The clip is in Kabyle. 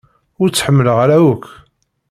Ur tt-ḥemmleɣ ara akk.